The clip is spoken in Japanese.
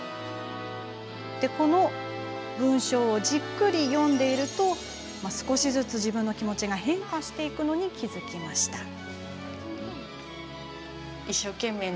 じっくり文章を読んでいると少しずつ自分の気持ちが変化していくのに気が付きました。